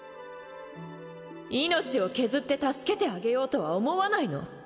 命を削って助けてあげようとは思わないの？